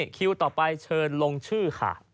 คิวต่อไปเชิญลงชื่อค่ะ